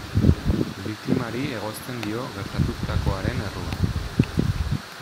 Biktimari egozten dio gertatutakoaren errua.